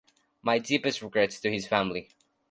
My deepest regrets to his family.